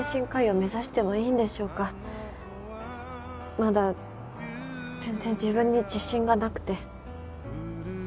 まだ全然自分に自信がなくて。